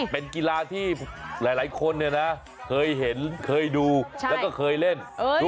เป็นกิลาที่หลายคนเคยเห็นค่อยดูแล้วก็เคยเล่น